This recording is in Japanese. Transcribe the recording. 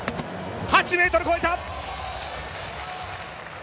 ８ｍ越えた！